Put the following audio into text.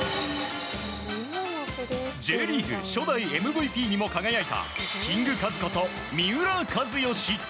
Ｊリーグ初代ＭＶＰにも輝いたキングカズこと三浦知良。